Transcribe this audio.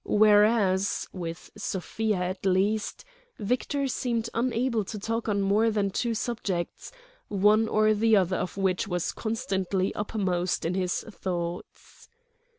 Whereas—with Sofia, at least—Victor seemed unable to talk on more than two subjects, one or the other of which was constantly uppermost in his thoughts.